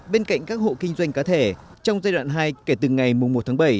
bên cạnh các hộ kinh doanh cá thể trong giai đoạn hai kể từ ngày một tháng bảy